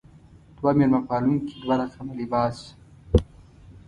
دوه میلمه پالونکې دوه رقم لباس.